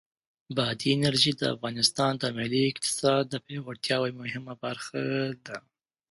بادي انرژي د افغانستان د ملي اقتصاد د پیاوړتیا یوه مهمه برخه ده.